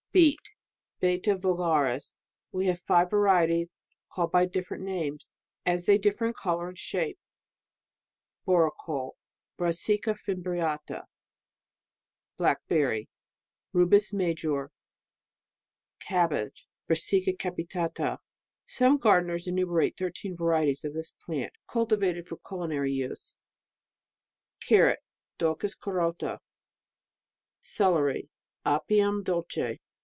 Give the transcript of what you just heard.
] Beet Beta vulgaris. [We have five varieties, call ed by different names, as they differ in colour and shape.] Borecole .... Brassica fimbriata. Black berry ... Rubus major. Cabbage ..•. Brassica capitata. [Some gardeners enumerate thirteen varieties of this plant, cultivated for culi nary use.] Carrot .... Daucus carota. Celeri Apium duke.